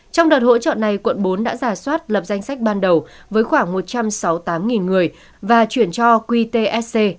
trong đợt hỗ trợ này quận bốn đã giả soát lập danh sách ban đầu với khoảng một trăm sáu mươi tám người và chuyển cho qtsc